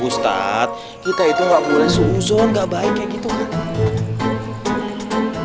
ustaz kita itu gak boleh susun gak baik kayak gitu kan